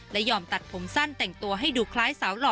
และยอมตัดผมสั้นแต่งตัวให้ดูคล้ายสาวหล่อ